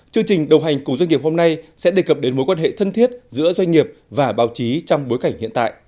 chương trình đồng hành cùng doanh nghiệp hôm nay sẽ đề cập đến mối quan hệ thân thiết giữa doanh nghiệp và báo chí trong bối cảnh hiện tại